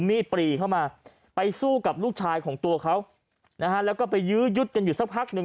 ปรีเข้ามาไปสู้กับลูกชายของตัวเขานะฮะแล้วก็ไปยื้อยุดกันอยู่สักพักหนึ่ง